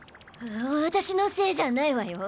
私のせいじゃないわよ。